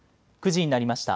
９時になりました。